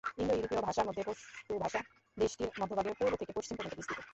ইন্দো-ইউরোপীয় ভাষার মধ্যে পশতু ভাষা দেশটির মধ্যভাগে পূর্ব থেকে পশ্চিম পর্যন্ত বিস্তৃত।